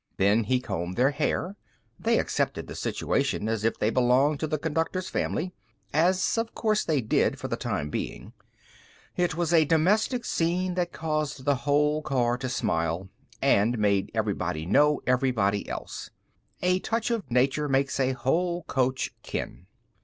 Then he combed their hair. They accepted the situation as if they belonged to the Conductor's family, as of course they did for the time being. It was a domestic scene that caused the whole car to smile, and made everybody know everybody else. A touch of nature makes a whole coach kin.